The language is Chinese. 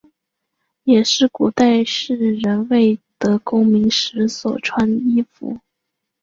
也是古代士人未得功名时所穿衣服。